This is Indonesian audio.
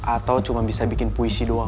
atau cuma bisa bikin puisi doang